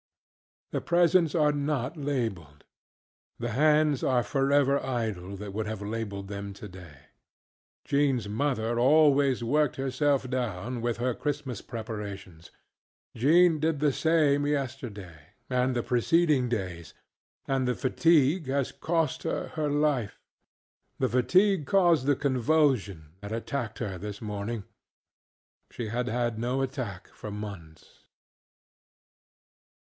The presents are not labeledŌĆöthe hands are forever idle that would have labeled them today. JeanŌĆÖs mother always worked herself down with her Christmas preparations. Jean did the same yesterday and the preceding days, and the fatigue has cost her her life. The fatigue caused the convulsion that attacked her this morning. She had had no attack for months.